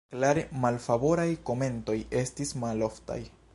Klare malfavoraj komentoj estis maloftaj.